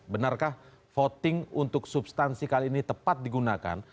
benarkah voting untuk substansi kali ini tepat digunakan